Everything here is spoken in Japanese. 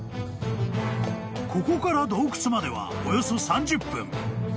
［ここから洞窟まではおよそ３０分］